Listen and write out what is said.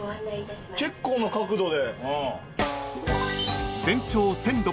結構な角度で。